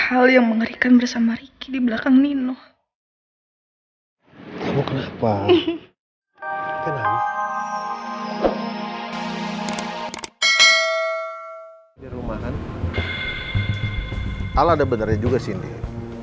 al ada benarnya juga sendiri